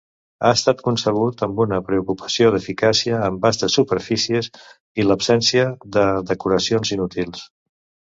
Ha estat concebut amb una preocupació d'eficàcia amb vastes superfícies i l'absència de decoracions inútils.